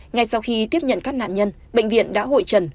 ngay sau khi tiếp nhận các nạn nhân bệnh viện đã hội trần